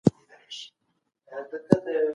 اشرف غني احمدزی د شاه جان احمدزي زوی دی.